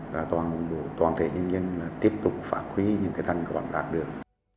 và toàn thể nhân dân tiếp tục phản khí những thân cộng đạt được